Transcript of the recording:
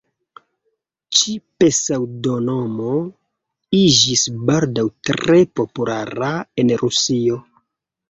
Ĉi-pseŭdonomo iĝis baldaŭ tre populara en Rusio.